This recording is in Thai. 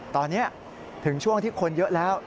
ตอนนี้ถึงช่วงที่คนเยอะแล้ว